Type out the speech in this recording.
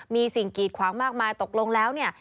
มีสิ่งกีดขวางมากมายตกลงแล้วเนี่ย